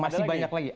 masih banyak lagi